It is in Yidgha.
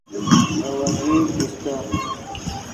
ڤے وزیر کیستو